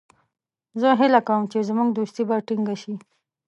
زه هیله کوم چې زموږ دوستي به ټینګه شي.